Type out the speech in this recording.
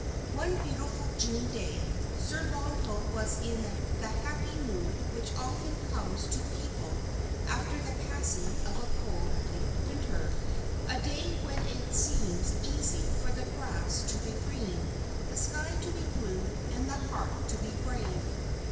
One beautiful June day, Sir Launfal was in the happy mood which often comes to people after the passing of a cold, bleak winter; a day when it seems easy for the grass to be green, the sky to be blue, and the heart to be brave.